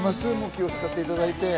気を使っていただいて。